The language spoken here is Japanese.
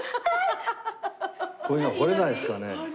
こういうのは彫れないですかね？